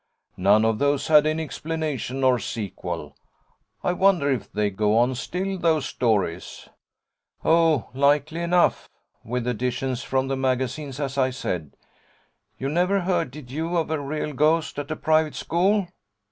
None of those had any explanation or sequel. I wonder if they go on still, those stories.' 'Oh, likely enough with additions from the magazines, as I said. You never heard, did you, of a real ghost at a private school?